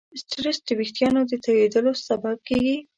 سټرېس د وېښتیانو د تویېدلو سبب کېږي.